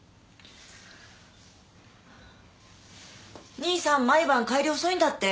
兄さん毎晩帰り遅いんだって？